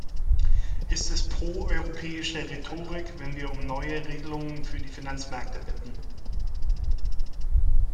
Ist es pro-europäische Rhetorik, wenn wir um neue Regelungen für die Finanzmärkte bitten?